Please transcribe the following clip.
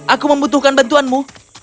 aku membutuhkan bantuanmu